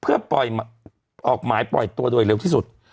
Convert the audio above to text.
เผื่อออกหมายปล่อยตัวด้วยเร็วที่สุด